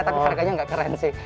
tapi harganya nggak keren sih